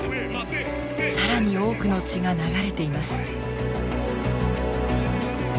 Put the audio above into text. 更に多くの血が流れています。